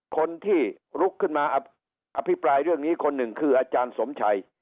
คนที่ลุกขึ้นมาอภิปรายเรื่องนี้คนหนึ่งคืออาจารย์สมชัย